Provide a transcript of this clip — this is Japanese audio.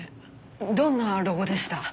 どんなロゴでした？